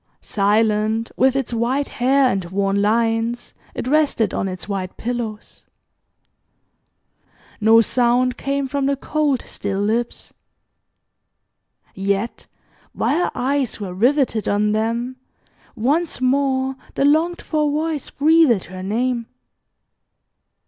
Silent, with its white hair, and worn lines, it rested on its white pillows. No sound came from the cold still lips. Yet, while her eyes were riveted on them, once more the longed for voice breathed her name.